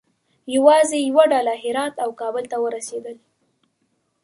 یوازې یوه ډله هرات او کابل ته ورسېدل.